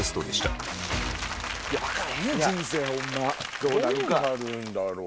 どうなるんだろう？